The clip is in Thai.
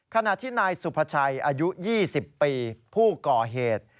ขณะที่นายสุภาชัยอายุ๒๐ปีผู้ก่อเหตุ